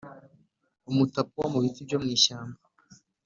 Nk’umutapuwa mu biti byo mu ishyamba